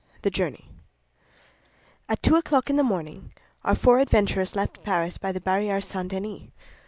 THE JOURNEY At two o'clock in the morning, our four adventurers left Paris by the Barrière St. Denis.